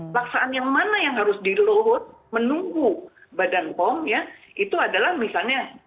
pelaksanaan yang mana yang harus di hold menunggu badan pom itu adalah misalnya